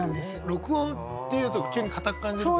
「録音」っていうと急に硬く感じるけど。